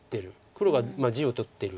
黒が地を取ってる。